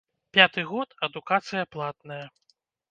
Пяты год адукацыя платная.